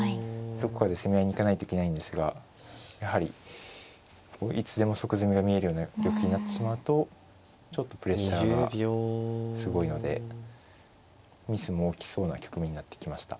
どこかで攻め合いに行かないといけないんですがやはりいつでも即詰みが見えるような玉形になってしまうとちょっとプレッシャーがすごいのでミスも大きそうな局面になってきました。